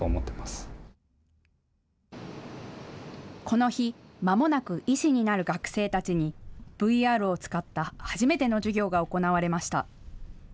この日、まもなく医師になる学生たちにＶＲを使った初めての授業が行われました。